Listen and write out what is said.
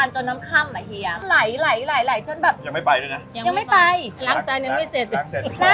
ใช่เมื่อก่อนแม่มีผู้ช่วยนะคะ